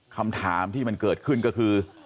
คำถามที่มันเกิดขึ้นก็คือ